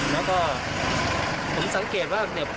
แล้วก็ผมสังเกตว่า